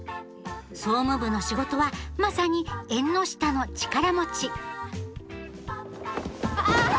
総務部の仕事はまさに縁の下の力持ちあ！